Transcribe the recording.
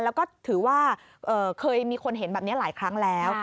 แล้วก็ถือว่าเคยมีคนเห็นแบบนี้หลายครั้งแล้ว